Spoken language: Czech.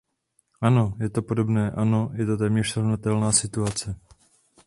Ano, je to podobné; ano, je to téměř srovnatelná situace.